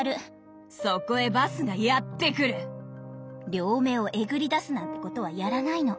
両目をえぐり出すなんてことはやらないの。